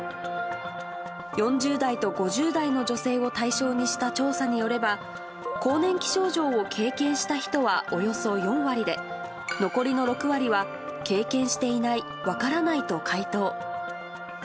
４０代と５０代の女性を対象にした調査によれば、更年期症状を経験した人はおよそ４割で、残りの６割は経験していない、分からないと回答。